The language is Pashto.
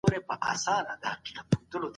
شتمني د عیش لپاره مصرفیږي.